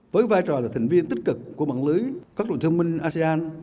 với vai trò là thành viên tích cực của mạng lưới các đô thị thông minh asean